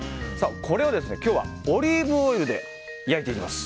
これを今日はオリーブオイルで焼いていきます。